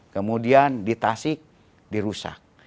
kemudian ditasik dirusak